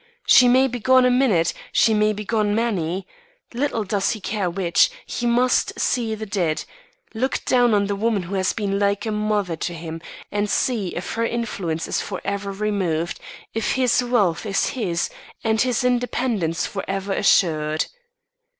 She may be gone a minute; she may be gone many. Little does he care which; he must see the dead, look down on the woman who has been like a mother to him, and see if her influence is forever removed, if his wealth is his, and his independence forever assured.